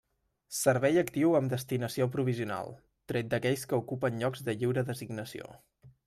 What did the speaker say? Servei actiu amb destinació provisional, tret d'aquells que ocupen llocs de lliure designació.